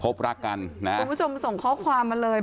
รักกันนะฮะคุณผู้ชมส่งข้อความมาเลย